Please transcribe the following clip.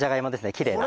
きれいな。